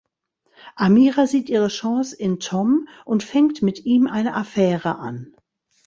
Amira sieht ihre Chance in Tom und fängt mit ihm eine Affäre an.